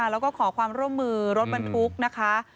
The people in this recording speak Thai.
แล้วก็ขอความร่วมมือรถบรรทุกนะคะ